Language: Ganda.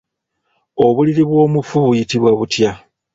Obuliri bw'omufu buyitibwa butya?